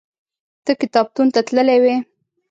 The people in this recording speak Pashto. ته کتابتون ته تللی وې؟